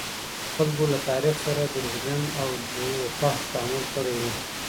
خلګو له تاریخ سره دروغجن او دوپه تعامل کړی و.